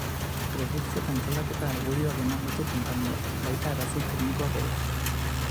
Produkzio eta antolaketa argudioak eman ditu konpainiak, baita arrazoi teknikoak ere.